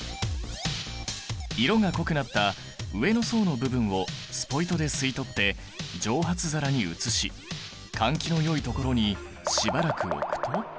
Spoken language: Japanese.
色が濃くなった上の層の部分をスポイトで吸い取って蒸発皿に移し換気のよいところにしばらく置くと。